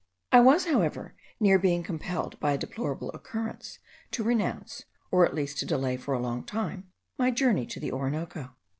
I was, however, near being compelled by a deplorable occurrence, to renounce, or at least to delay for a long time, my journey to the Orinoco.